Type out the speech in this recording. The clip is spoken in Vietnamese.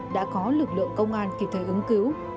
đã có lực lượng công an kịp thời ứng cứu